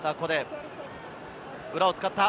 裏を使った！